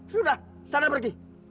sudah sana pergi